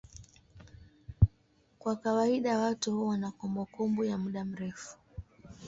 Kwa kawaida watu huwa na kumbukumbu ya muda mrefu.